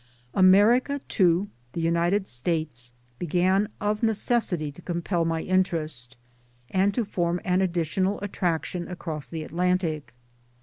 America too, the United States, began of necessity to compel my interest, and to form an additional attraction across the Atlantic.